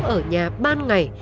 ở nhà ban ngày